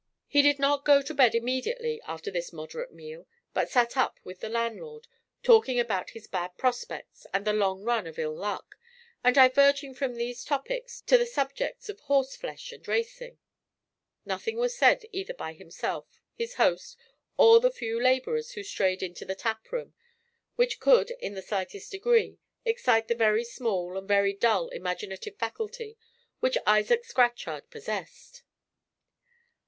He did not go to bed immediately after this moderate meal, but sat up with the landlord, talking about his bad prospects and his long run of ill luck, and diverging from these topics to the subjects of horse flesh and racing. Nothing was said either by himself, his host, or the few laborers who strayed into the tap room, which could, in the slightest degree, excite the very small and very dull imaginative faculty which Isaac Scatchard possessed.